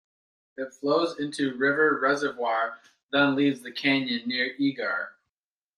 It flows into River Reservoir, then leaves the canyon near Eagar.